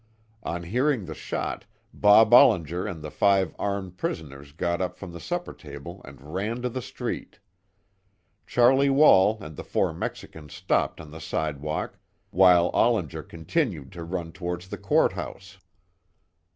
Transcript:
On hearing the shot, Bob Ollinger and the five armed prisoners, got up from the supper table and ran to the street. Charlie Wall and the four Mexicans stopped on the sidewalk, while Ollinger continued to run towards the court house.